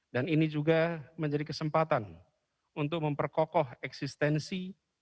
dan ini juga menjadi kesempatan untuk memperkokoh eksistensi